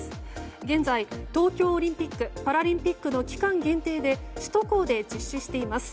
現在、東京オリンピック・パラリンピックの期間限定で首都高で実施しています。